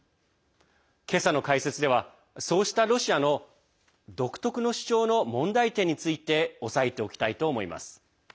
今朝の解説ではそうしたロシアの独特の主張の問題点について押さえておきたいと思います。